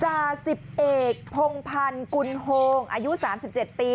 จ่าสิบเอกพงพันธ์กุลโฮงอายุ๓๗ปี